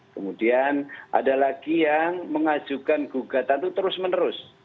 kemudian ada lagi yang mengajukan gugatan itu terus menerus